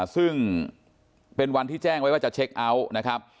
ซึ่งเป็นวันที่แจ้งไว้ว่าจะเช็คเอาท์นะครับ